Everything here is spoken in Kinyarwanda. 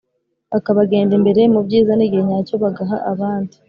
Bakabagenda imbere mu byizaN’igihe nyacyo bagaha abandi